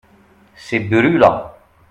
C’est brûlant.